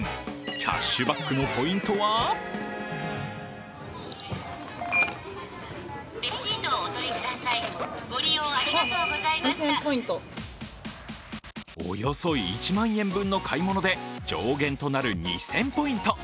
キャッシュバックのポイントはおよそ１万円分の買い物で上限となる２０００ポイント。